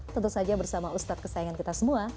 tentu saja bersama ustadz kesayangan kita semua